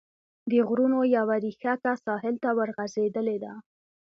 د غرونو یوه ريښکه ساحل ته ورغځېدلې ده.